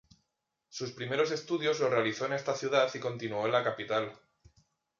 Sus primeros estudios los realizó en esta ciudad y continuó en la capital.